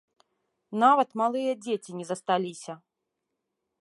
Нават малыя дзеці не засталіся.